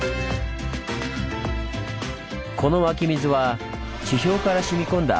この湧き水は地表からしみ込んだ